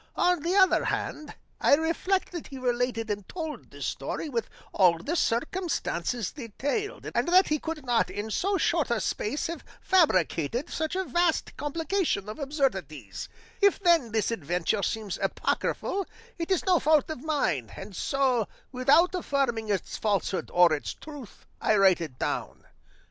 On the other hand, I reflect that he related and told the story with all the circumstances detailed, and that he could not in so short a space have fabricated such a vast complication of absurdities; if, then, this adventure seems apocryphal, it is no fault of mine; and so, without affirming its falsehood or its truth, I write it down.